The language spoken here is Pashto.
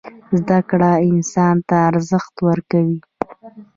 زدکړه انسان ته ارزښت ورکوي.